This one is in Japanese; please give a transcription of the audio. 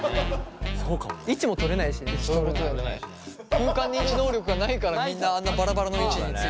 空間認知能力がないからみんなあんなバラバラの位置についてる。